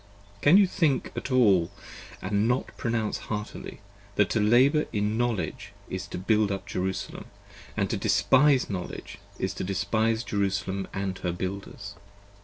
Can you think at all, & not pronounce heartily: That to Labour in Knowledge, is to Build up Jerusalem; and to 35 Despise Knowledge, is to Despise Jerusalem & her Builders.